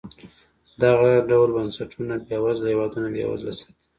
دغه ډول بنسټونه بېوزله هېوادونه بېوزله ساتي.